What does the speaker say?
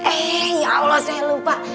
eh ya allah saya lupa